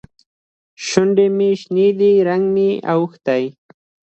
شونډې مې شنې دي؛ رنګ مې اوښتی.